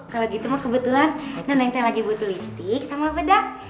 kalau gitu mah kebetulan nenek saya lagi butuh lipstick sama bedak